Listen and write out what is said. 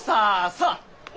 さあ。